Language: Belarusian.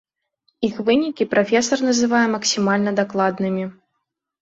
Іх вынікі прафесар называе максімальна дакладнымі.